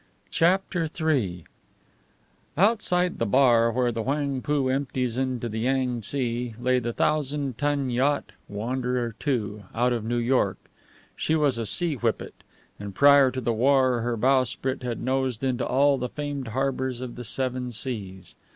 CHAPTER III Outside the bar where the Whangpoo empties into the Yang tse lay the thousand ton yacht Wanderer II, out of New York. She was a sea whippet, and prior to the war her bowsprit had nosed into all the famed harbours of the seven seas.